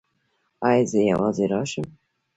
ایا زه یوازې راشم؟